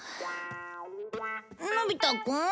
のび太くん？